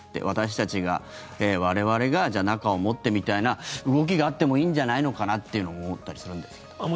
私たちが、我々がじゃあ、仲を持ってみたいな動きがあってもいいんじゃないのかなというのも思ったりもするんですけど。